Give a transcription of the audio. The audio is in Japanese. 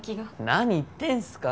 何言ってんすか。